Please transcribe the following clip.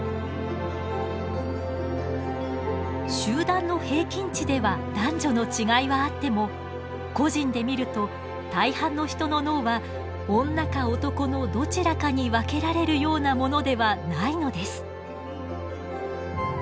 集団の平均値では男女の違いはあっても個人で見ると大半の人の脳は女か男のどちらかに分けられるようなものではないのです。